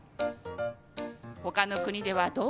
ほかの国ではどうか？